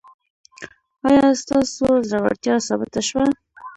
ایا ستاسو زړورتیا ثابته شوه؟